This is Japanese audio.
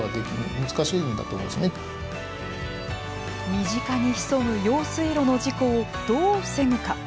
身近に潜む用水路の事故をどう防ぐか。